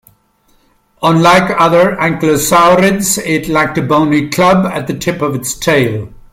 Unlike other ankylosaurids, it lacked a bony club at the tip of its tail.